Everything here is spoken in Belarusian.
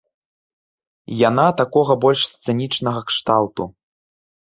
Яна такога больш сцэнічнага кшталту.